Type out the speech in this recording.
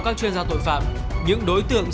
các chuyên gia tội phạm những đối tượng